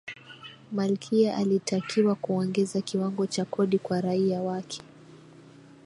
malkia alitakiwa kuongeza kiwango cha kodi kwa raia wake